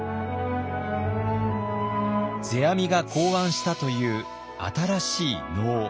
世阿弥が考案したという新しい能。